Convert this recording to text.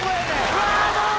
うわあもう！